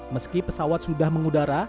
meski pesawat sudah mengudara